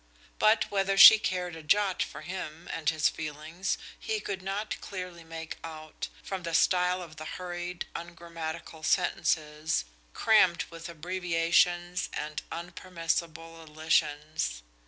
But whether she cared a jot for him and his feelings he could not clearly make out, from the style of the hurried, ungrammatical sentences, crammed with abbreviations and unpermissible elisions.